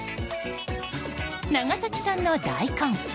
長崎県産の大根。